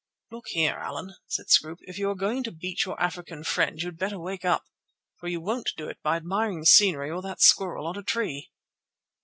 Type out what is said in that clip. "Look here, Allan," said Scroope, "if you are going to beat your African friend you had better wake up, for you won't do it by admiring the scenery or that squirrel on a tree."